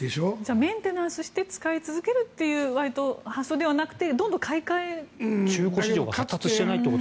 メンテナンスして使い続けるという発想ではなくてどんどん買い替えると。